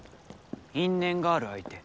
因縁がある相手？